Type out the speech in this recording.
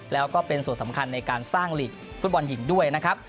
แล้วก็เป็นส่วนสำคัญในการสร้างหลีกฟุตบอลหญิงด้วยนะครับ